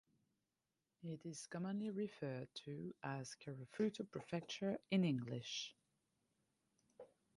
It is commonly referred to as Karafuto Prefecture in English.